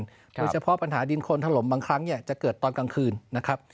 โดยเฉพาะปัญหาดินคนถล่มบางครั้งเนี่ยจะเกิดตอนกลางคืนนะครับ